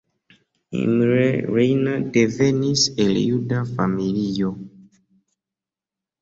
Imre Reiner devenis el juda familio.